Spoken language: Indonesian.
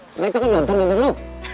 karena itu kan jontor bibir lo